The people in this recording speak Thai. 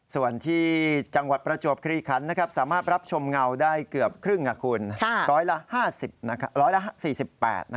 ส่วนที่จังหวัดประจวบคลีคันสามารถรับชมเงาได้เกือบครึ่งคุณร้อยละ๕๐๑๔๘